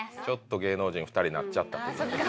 芸能人２人なっちゃったという。